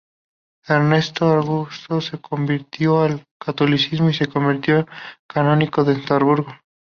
Ernesto Augusto se convirtió al catolicismo y se convirtió en canónigo en Estrasburgo.